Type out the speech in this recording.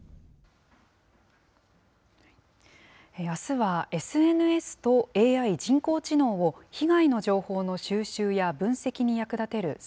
あすはＳＮＳとＡＩ・人工知能を、被害の情報の収集や分析に役立てる